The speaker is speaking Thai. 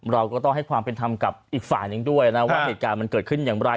เราก็ต้องให้ความเป็นธรรมกับอีกฝ่ายหนึ่งด้วยนะว่าเหตุการณ์มันเกิดขึ้นอย่างไร